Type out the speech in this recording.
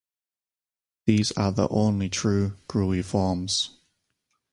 These are the only true Gruiformes.